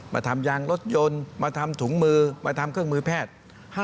มาทำยางรถยนต์มาทำถุงมือมาทำเครื่องมือแพทย์